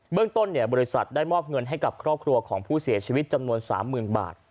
เรื่องต้นบริษัทได้มอบเงินให้กับครอบครัวของผู้เสียชีวิตจำนวน๓๐๐๐บาท